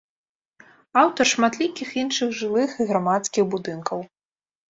Аўтар шматлікіх іншых жылых і грамадскіх будынкаў.